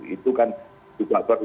itu kan juga perlu